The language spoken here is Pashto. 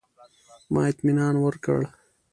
ما اطمنان ورکړ.